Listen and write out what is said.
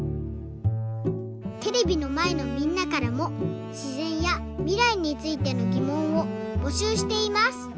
テレビのまえのみんなからもしぜんやみらいについてのぎもんをぼしゅうしています。